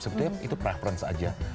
sebetulnya itu preference aja